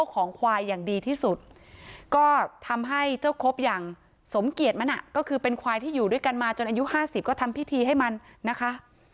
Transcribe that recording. ของควายอย่างดีที่สุดก็ทำให้เจ้าครบอย่างสมเกียจมันก็คือเป็นควายที่อยู่ด้วยกันมาจนอายุ๕๐ก็ทำพิธีให้มันนะคะ